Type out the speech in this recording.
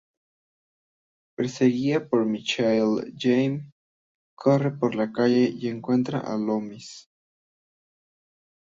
Perseguida por Michael, Jamie corre por la calle y encuentra a Loomis.